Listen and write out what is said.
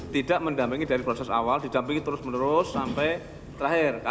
tidak mendampingi dari proses awal didampingi terus menerus sampai terakhir